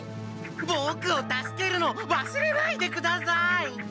ボクを助けるの忘れないでください！